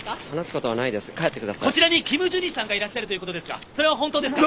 こちらにキム・ジュニさんがいらっしゃるということですがそれは本当ですか？